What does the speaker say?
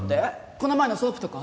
この前のソープとか？